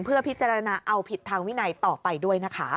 เพื่อพิจารณาเอาผิดทางวินัยต่อไปด้วยนะคะ